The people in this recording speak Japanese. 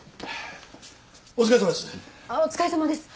お疲れさまです。